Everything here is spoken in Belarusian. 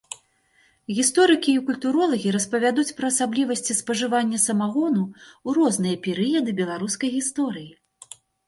Гісторыкі і культуролагі распавядуць пра асаблівасці спажывання самагону ў розныя перыяды беларускай гісторыі.